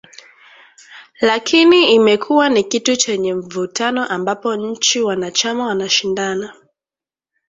Lakini imekuwa ni kitu chenye mvutano ambapo nchi wanachama wanashindana